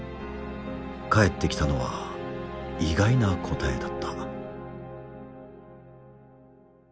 返ってきたのは意外な答えだった。